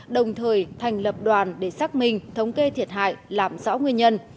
đồng thời thành lập đoàn để xác minh thống kê thiệt hại làm rõ nguyên nhân